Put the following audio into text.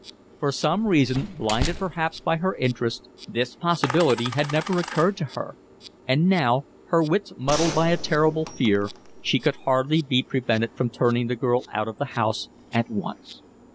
For some reason, blinded perhaps by her interests, this possibility had never occurred to her; and now, her wits muddled by a terrible fear, she could hardly be prevented from turning the girl out of the house at once.